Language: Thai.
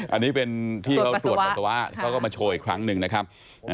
อันนี้เป็นที่เขาตรวจปัสสาวะเขาก็มาโชว์อีกครั้งหนึ่งนะครับ